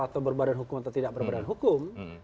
atau berbadan hukum atau tidak berbadan hukum